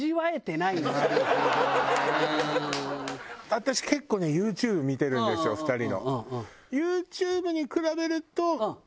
私結構ねＹｏｕＴｕｂｅ見てるんですよ２人の。